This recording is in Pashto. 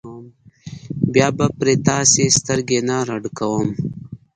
بیا پرې تاسې سترګې نه راډکوم.